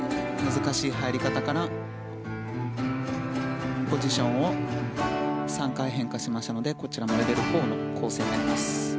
難しい入り方からポジションを３回変化しましたのでこちらもレベル４の構成になります。